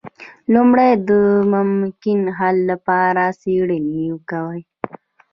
لومړی د ممکنه حل لپاره څیړنه کوي.